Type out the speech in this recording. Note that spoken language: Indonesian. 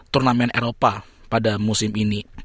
turnamen eropa pada musim ini